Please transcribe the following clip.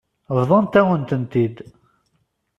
Bḍant-awen-tent-id.